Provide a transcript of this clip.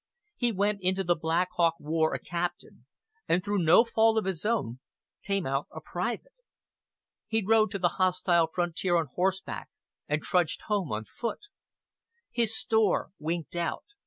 He went into the Black Hawk war a captain, and through no fault of his own, came out a private. He rode to the hostile frontier on horseback, and trudged home on foot. His store "winked out."